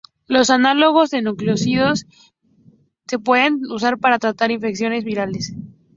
Los análogos de nucleósidos se pueden usar para tratar infecciones virales.